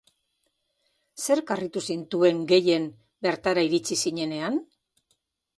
Zerk harritu zintuen gehien bertara iritsi zinenean?